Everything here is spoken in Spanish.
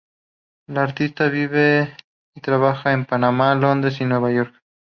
La artista vive y trabaja en Panamá, Londres y Nueva York.